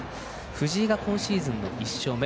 藤井が今シーズンの１勝目。